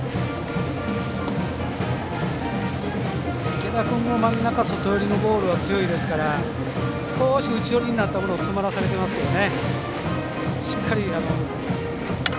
池田君も真ん中外寄りのボールは強いですから少し内寄りになったものを詰まらされてますよね。